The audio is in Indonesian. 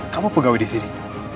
kamu pegawai disini